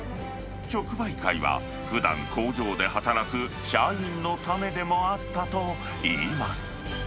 直売会は、ふだん、工場で働く社員のためでもあったといいます。